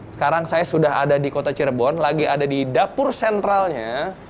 sekarang saya sudah ada di kota cirebon lagi ada di dapur sentralnya